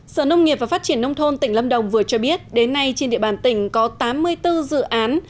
sở nông nghiệp và phát triển nông thôn tỉnh lâm đồng vừa cho biết đến nay trên địa bàn tỉnh có tám mươi bốn dự án